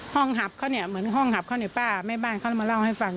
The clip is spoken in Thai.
ห้องหับเขาเหมือนห้องหับข้าในป้าแม่บ้านเขาจะมาเล่าให้ฟัง